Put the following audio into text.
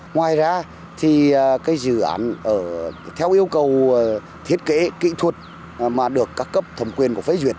ngoài ra thì cái dự án theo yêu cầu thiết kế kỹ thuật mà được các cấp thẩm quyền của phế duyệt